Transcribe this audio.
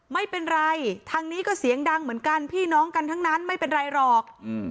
ไม่เป็นไรทางนี้ก็เสียงดังเหมือนกันพี่น้องกันทั้งนั้นไม่เป็นไรหรอก